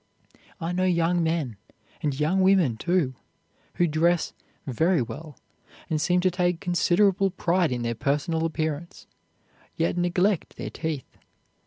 I know young men, and young women, too, who dress very well and seem to take considerable pride in their personal appearance, yet neglect their teeth.